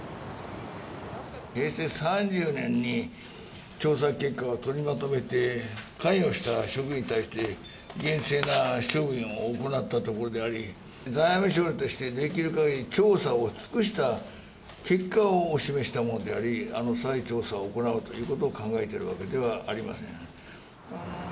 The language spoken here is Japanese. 平成３０年に調査結果を取りまとめて、関与した職員に対して、厳正な処分を行ったところであり、財務省としてできるかぎり調査を尽くした結果をお示ししたものであり、再調査を行うということを考えているわけではありません。